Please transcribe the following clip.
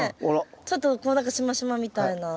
ちょっとこう何かしましまみたいな。